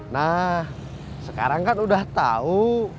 nah sekarang kan udah tahu